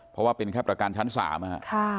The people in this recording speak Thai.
เพราะว่าเป็นแค่ประการชั้นสามค่ะ